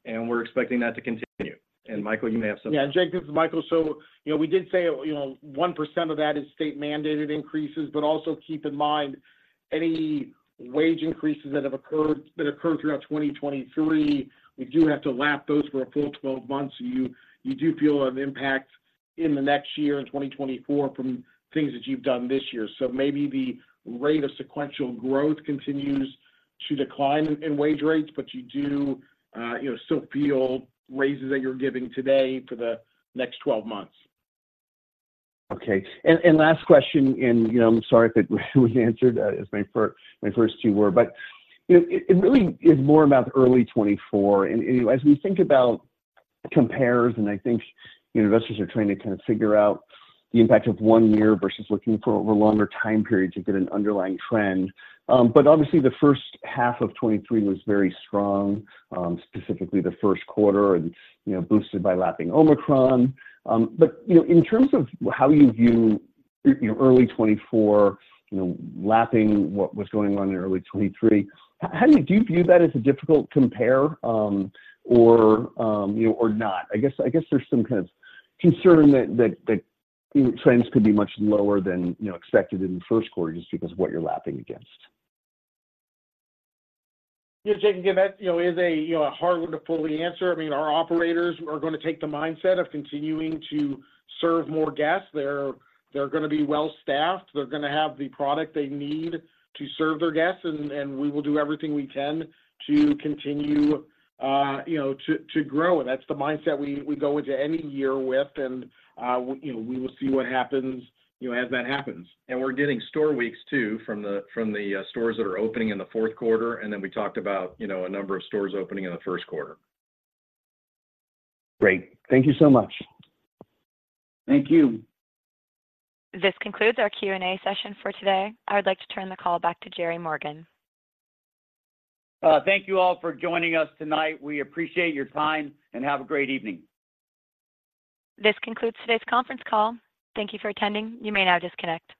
and we're expecting that to continue. Michael, you may have something. Yeah, Jake, this is Michael. So, you know, we did say, you know, 1% of that is state-mandated increases. But also keep in mind, any wage increases that have occurred, that occurred throughout 2023, we do have to lap those for a full twelve months. You do feel an impact in the next year, in 2024, from things that you've done this year. So maybe the rate of sequential growth continues to decline in wage rates, but you do, you know, still feel raises that you're giving today for the next twelve months. Okay. Last question, and, you know, I'm sorry if it was answered as my first, my first two were, but, you know, it really is more about early 2024. As we think about compares, and I think, you know, investors are trying to kind of figure out the impact of one year versus looking for over longer time periods to get an underlying trend. Obviously the first half of 2023 was very strong, specifically the Q1, and, you know, boosted by lapsing Omicron. In terms of how you view, you know, early 2024, you know, lapping what was going on in early 2023, how do you-- do you view that as a difficult compare, or, you know, or not? I guess there's some kind of concern that you know, trends could be much lower than, you know, expected in the Q1 just because of what you're lapping against. Yeah, Jake, again, that, you know, is a, you know, a hard one to fully answer. I mean, our operators are gonna take the mindset of continuing to serve more guests. They're, they're gonna be well-staffed. They're gonna have the product they need to serve their guests, and, and we will do everything we can to continue, you know, to, to grow. And that's the mindset we, we go into any year with, and, you know, we will see what happens, you know, as that happens. We're getting store weeks, too, from the stores that are opening in the Q4. Then we talked about, you know, a number of stores opening in the Q1. Great. Thank you so much. Thank you. This concludes our Q&A session for today. I would like to turn the call back to Jerry Morgan. Thank you all for joining us tonight. We appreciate your time, and have a great evening. This concludes today's conference call. Thank you for attending. You may now disconnect.